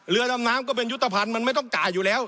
เรือดำน้ำก็เป็นยุตภัณฑ์มันไม่ต้องจ่ายอยู่แล้ว